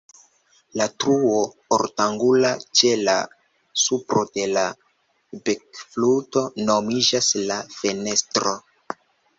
La truo ortangula ĉe la supro de la bekfluto nomiĝas la "fenestro".